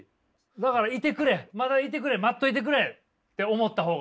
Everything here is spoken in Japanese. だからいてくれまだいてくれ待っといてくれって思った方が。